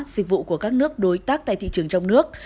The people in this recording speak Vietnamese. dịch vụ của các nước đối tác tại thị trường trong nước